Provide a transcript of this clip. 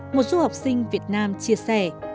một du học sinh việt nam chia sẻ